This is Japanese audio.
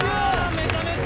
めちゃめちゃ。